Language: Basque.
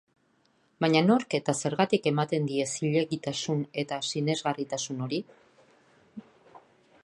Baina nork eta zergatik ematen die zilegitasun eta sinesgarritasun hori?